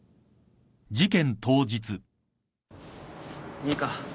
いいか？